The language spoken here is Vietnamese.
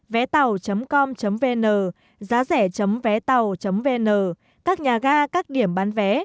vétàu com vn giá rẻ vétàu vn các nhà ga các điểm bán vé